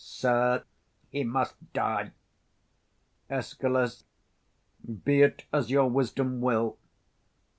Sir, he must die. Escal. Be it as your wisdom will.